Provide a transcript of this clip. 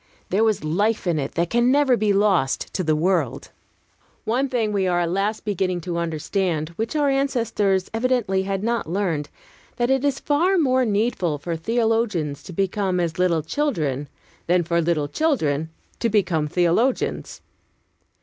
There was life in it that can never be lost to the world. One thing we are at last beginning to understand, which our ancestors evidently had not learned; that it is far more needful for theologians to become as little children, than for little children to become theologians.